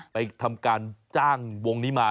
ไปทำการจ้างวงนี้มา